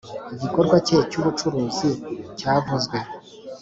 igikorwa cye cy ubucuruzi cyavuzwe